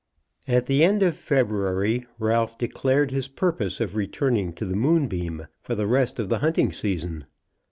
At the end of February Ralph declared his purpose of returning to the Moonbeam, for the rest of the hunting season.